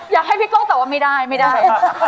อยากให้พี่ก้องตอบว่าไม่ได้ไม่ได้